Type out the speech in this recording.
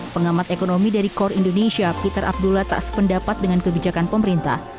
pengamat ekonomi dari kor indonesia peter abdullah tak sependapat dengan kebijakan pemerintah